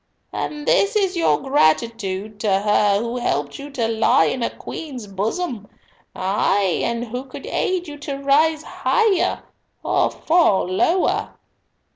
"And this is your gratitude to her who helped you to lie in a queen's bosom; ay, and who could aid you to rise higher or fall lower?"